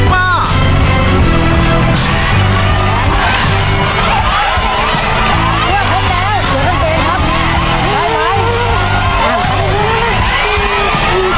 ครอบครัวของแม่ปุ้ยจังหวัดสะแก้วนะครับ